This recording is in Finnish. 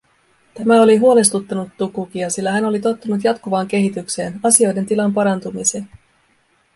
Tämä oli huolestuttanut Tukukia, sillä hän oli tottunut jatkuvaan kehitykseen, asioiden tilan parantumiseen.